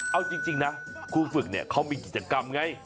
เอาจริงนะครูฝึกเนี่ยเขามีกิจกรรมไง